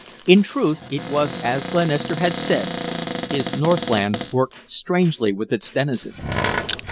In truth, it was as Glenister had said, his Northland worked strangely with its denizens.